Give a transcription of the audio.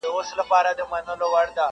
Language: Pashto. باندي اوښتي وه تر سلو اضافه کلونه!!